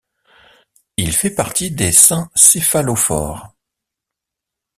Il fait partie des saints céphalophores.